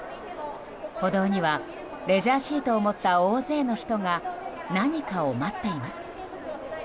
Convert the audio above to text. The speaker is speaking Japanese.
歩道にはレジャーシートを持った大勢の人が何かを待っています。